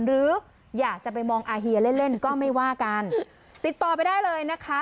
หรืออยากจะไปมองอาเฮียเล่นเล่นก็ไม่ว่ากันติดต่อไปได้เลยนะคะ